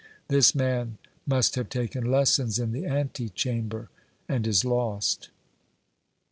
This man must have taken lessons in the ante chamber, and is lost.